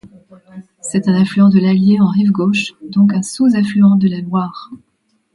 C'est un affluent de l'Allier en rive gauche, donc un sous-affluent de la Loire.